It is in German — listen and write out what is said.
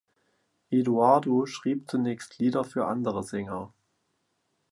Edoardo schrieb zunächst Lieder für andere Sänger.